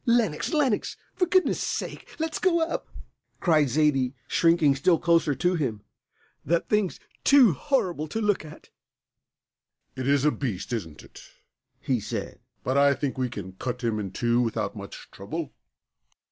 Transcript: "Lenox, Lenox, for goodness' sake let us go up!" cried Zaidie, shrinking still closer to him. "That thing's too horrible to look at." "It is a beast, isn't it?" he said; "but I think we can cut him in two without much trouble."